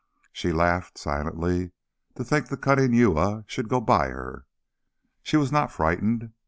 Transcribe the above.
She laughed silently to think the cunning Uya should go by her. She was not frightened.